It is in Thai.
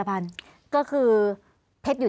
แต่ไม่ใช่เดี๋ยว